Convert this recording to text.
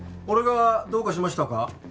俺がどうかしましたか？